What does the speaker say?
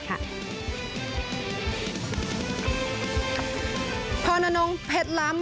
พรอนอนงเพศร้ำ